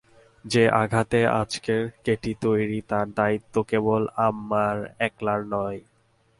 যে আঘাতে আজকের কেটি তৈরি তার দায়িত্ব কেবল আমার একলার নয়।